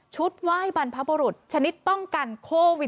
ไหว้บรรพบุรุษชนิดป้องกันโควิด